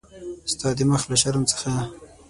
ستا د مخ له شرم څخه.